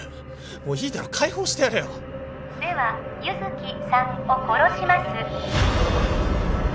もういいだろ解放してやれよでは優月さんを殺します